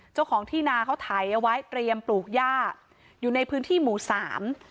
เจ้าของที่นาเขาถ่ายเอาไว้เตรียมปลูกย่าอยู่ในพื้นที่หมู่สาม